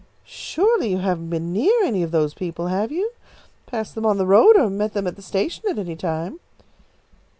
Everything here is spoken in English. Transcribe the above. "Surely you haven't been near any of those people, have you? Passed them on the road, or met them at the station at any time?"